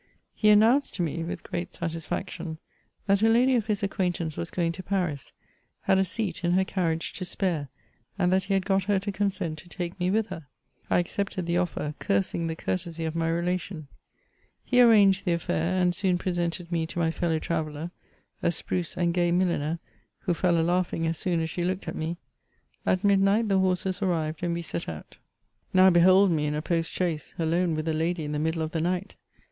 He annnounced to me, with great satisfaction, * Thie preseut Emperor and Empress of Russia. 150 MEMOIRS OF that a lady of his acquaintance was gimig to Paris, had a seat in her carriage to spare, and that he had got her to consent to take me with her. I accepted the offer, carang the courtesy of my rektion. He' arranged the a£Bur, and soon presented me to my fellow traveller — a spruce and gay mil liner, who fell a laughing as soon as ^e looked at me. At midnight the horses arrived, and we set out. Now behold me in a post chaise, alone with a lady in the middle of the night.